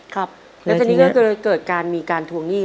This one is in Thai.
ครับแล้วทีนี้ก็เลยเกิดการมีการทวงหนี้